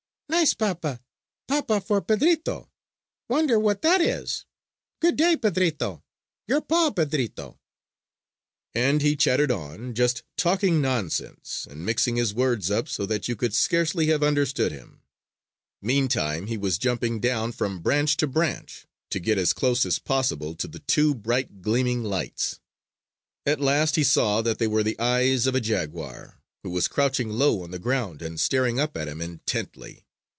"Nice papa! Papa for Pedrito. Wonder what that is? Good day, Pedrito! Your paw, Pedrito!..." And he chattered on, just talking nonsense, and mixing his words up so that you could scarcely have understood him. Meantime he was jumping down from branch to branch to get as close as possible to the two bright gleaming lights. At last he saw that they were the eyes of a jaguar, who was crouching low on the ground and staring up at him intently.